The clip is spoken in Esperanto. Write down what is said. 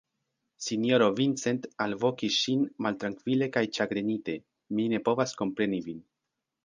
Sinjoro Vincent alvokis ŝin maltrankvile kaj ĉagrenite, mi ne povas kompreni vin.